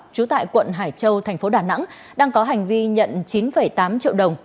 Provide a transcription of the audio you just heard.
chú tại quận hải châu tp đà nẵng đang có hành vi nhận chín tám triệu đồng